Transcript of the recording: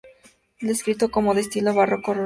Es descrito como de estilo Barroco Rural Andino.